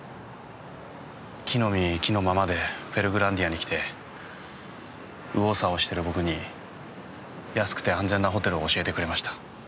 着の身着のままでペルグランディアに来て右往左往してる僕に安くて安全なホテルを教えてくれました。